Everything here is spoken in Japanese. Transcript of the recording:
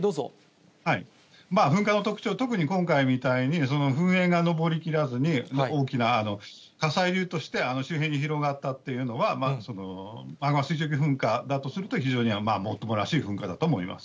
噴火の特徴、特に今回みたいに、噴煙が上りきらずに、大きな火砕流として周辺に広がったというのは、マグマ水蒸気噴火だとすると、非常にもっともらしい噴火だと思います。